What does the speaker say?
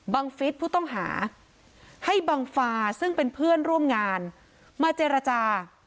ฟิศผู้ต้องหาให้บังฟาซึ่งเป็นเพื่อนร่วมงานมาเจรจา